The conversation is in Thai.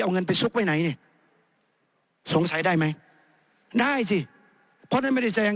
เอาเงินไปซุกไว้ไหนนี่สงสัยได้ไหมได้สิเพราะนั่นไม่ได้แสดง